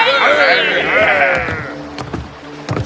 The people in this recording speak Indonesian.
kita mendekati pantai cape kulta